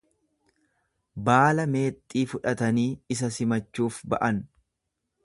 Baala meexxii fudhatanii isa simachuuf ba’an.